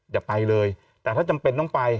อย่าไปเลยแต่ถ้าจำเป็นต้องไป